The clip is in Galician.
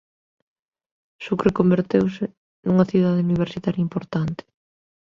Sucre converteuse nunha cidade universitaria importante.